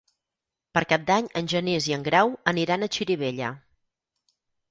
Per Cap d'Any en Genís i en Grau aniran a Xirivella.